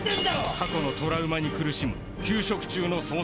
過去のトラウマに苦しむ休職中の捜査官